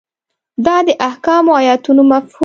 دا د احکامو ایتونو مفهوم ده.